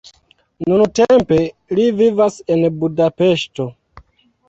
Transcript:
Nuntempe li vivas en Budapeŝto.